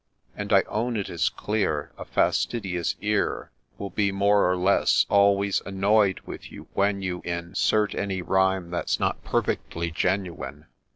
And I own it is clear A fastidious ear Will be, more or less, always annoy'd with you when you Insert any rhyme that 's not perfectly genuine.